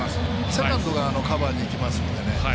セカンドがカバーにいきますんで。